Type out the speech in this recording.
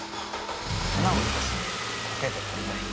花を生かすコケでありたい